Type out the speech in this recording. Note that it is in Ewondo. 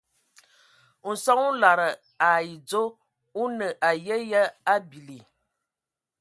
Nson o lada ai dzɔ o nə aye yə a bili.